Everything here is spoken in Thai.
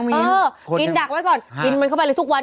เออกินดักไว้ก่อนกินมันเข้าไปเลยทุกวัน